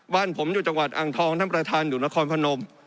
บ้านผมอยู่จังหวัดอ่างทองท่านประธานอยู่นครพนม